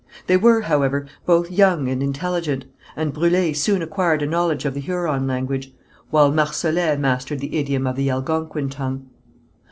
They were, however, both young and intelligent, and Brûlé soon acquired a knowledge of the Huron language, while Marsolet mastered the idiom of the Algonquin tongue.